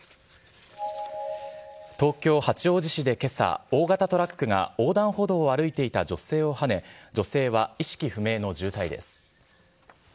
東京・八王子市でけさ、大型トラックが横断歩道を歩いていた女性をはね、女性は意識不明の重体です。